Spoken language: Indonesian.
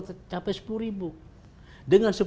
tercapai sepuluh ribu dengan